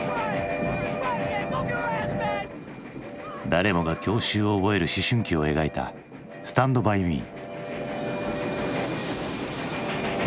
誰もが郷愁を覚える思春期を描いた「スタンド・バイ・ミー」。